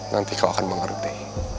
nanti kau akan mengerti